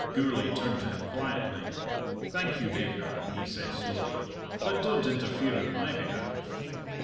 Gourlay turned to him quietly. "Thank you, baker," he said slowly. "But don't interfere on my behalf!